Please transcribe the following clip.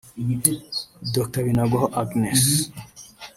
Dr Binagwaho Agnes